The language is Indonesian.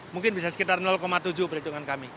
mungkin bisa sekitar tujuh perhitungan kami